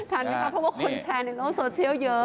ทันไหมคะเพราะว่าคนแชร์ในโลกโซเชียลเยอะ